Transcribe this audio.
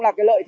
việc kiểm soát